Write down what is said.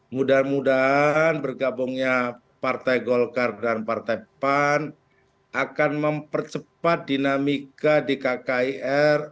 mudah mudahan bergabungnya partai golkar dan partai pan akan mempercepat dinamika di kkir